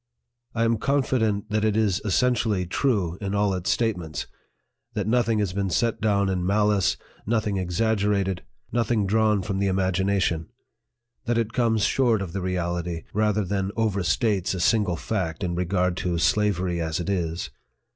I am confident that it is essen tially true in all its statements ; that nothing has been set down in malice, nothing exaggerated, nothing drawn from the imagination ; that it comes short of the reality, rather than overstates a single fact in regard to SLAVERY AS IT is.